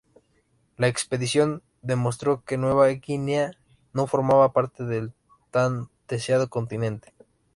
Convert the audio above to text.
La expedición demostró que Nueva Guinea no formaba parte del tan deseado continente.